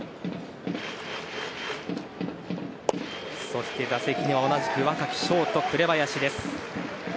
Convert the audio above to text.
そして打席には同じく若きショート、紅林です。